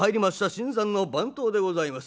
新参の番頭でございます。